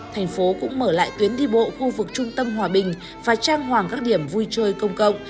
thành phố cũng mở lại tuyến đi bộ khu vực trung tâm hòa bình và trang hoàng các điểm vui chơi công cộng